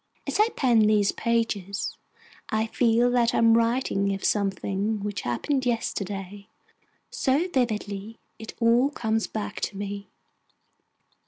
As I pen these pages, I feel that I am writing of something which happened yesterday, so vividly it all comes back to me.